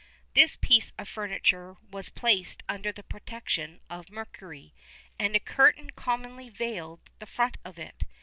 [XXXI 13] This piece of furniture was placed under the protection of Mercury, and a curtain commonly veiled the front of it.